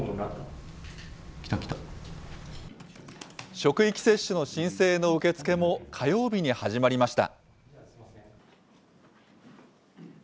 職域接種の申請の受け付けも火曜日に始まりました。